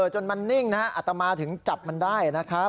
จนมันนิ่งนะฮะอัตมาถึงจับมันได้นะครับ